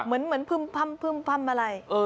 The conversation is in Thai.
เหมือนพึ่มอะไร